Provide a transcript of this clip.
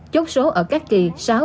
chốt số ở các kỳ